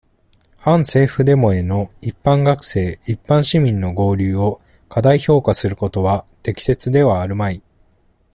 反政府デモへの、一般学生、一般市民の合流を、過大評価することは、適切ではあるまい。